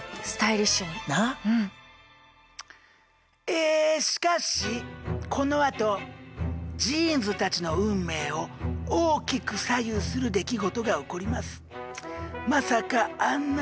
えしかしこのあとジーンズたちの運命を大きく左右する出来事が起こります。